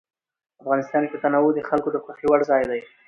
افغانستان کې تنوع د خلکو د خوښې وړ ځای دی.